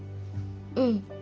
うん。